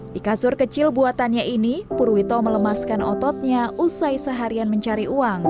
di kasur kecil buatannya ini purwito melemaskan ototnya usai seharian mencari uang